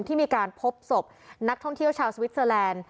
ที่มีการพบศพนักท่องเที่ยวชาวสวิสเตอร์แลนด์